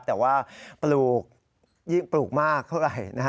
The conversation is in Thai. แต่ว่าปลูกมากเท่าไหร่นะฮะ